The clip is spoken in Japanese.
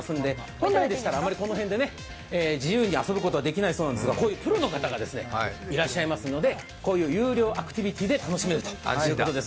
本来でしたらあまりこの辺で自由に遊ぶことはできないそうですが、プロの方がいらっしゃいますので、有料アクティビティーで楽しめるということです。